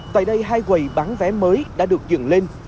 tại đây hai quầy bán vé mới đã được dựng lên